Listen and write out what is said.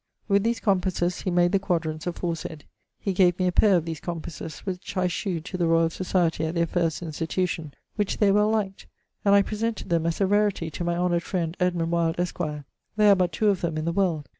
With these compasses he made the quadrants aforesayd. He gave me a paire of these compasses, which I shewed to the Royall Societie at their first institution, which they well liked, and I presented them as a rarity to my honoured friend, Edmund Wyld, esqre. There are but two of them in the world.